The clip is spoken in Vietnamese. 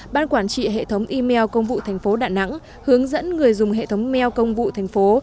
ban quản trị hệ thống email công vụ thành phố đà nẵng hướng dẫn người dùng hệ thống meo công vụ thành phố